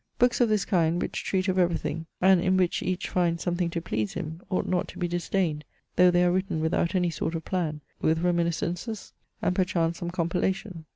Books of this kind, which treat of everything, and in which each finds some thing to please him, ought not to be disdained, though they are written without any sort of plan, with reminiscences, and perchance some compilation.